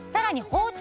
包丁